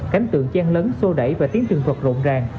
cánh tượng chan lớn sô đẩy và tiếng trường thuật rộn ràng